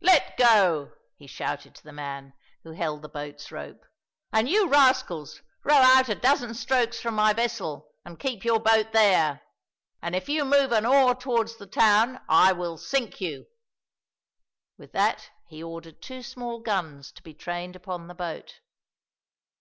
"Let go!" he shouted to the man who held the boat's rope, "and you rascals row out a dozen strokes from my vessel and keep your boat there; and if you move an oar towards the town I will sink you!" With that he ordered two small guns to be trained upon the boat.